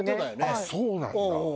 あっそうなんだ。